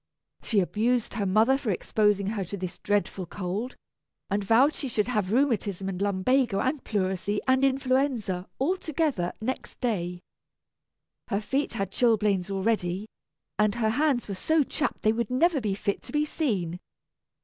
She abused her mother for exposing her to this dreadful cold, and vowed she should have rheumatism and lumbago and pleurisy and influenza, all together, next day. Her feet had chilblains already, and her hands were so chapped they would never be fit to be seen.